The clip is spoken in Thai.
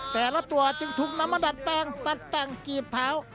แต่ละตัวจึงถูกนำมาดัดแปลงตัดแต่งกีบเท้า